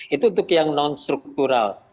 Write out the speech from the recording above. itu untuk yang non struktural